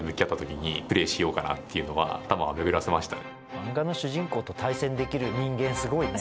漫画の主人公と対戦できる人間すごいね。